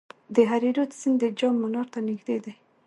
د هریرود سیند د جام منار ته نږدې دی